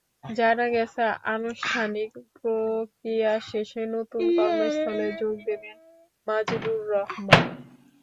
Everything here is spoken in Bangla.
জানা গেছে, আনুষ্ঠানিক প্রক্রিয়া শেষে নতুন কর্মস্থলে যোগ দেবেন মাজেদুর রহমান।